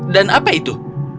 dan apa itu